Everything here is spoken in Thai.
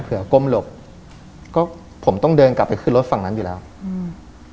ก้มหลบก็ผมต้องเดินกลับไปขึ้นรถฝั่งนั้นอยู่แล้วอืม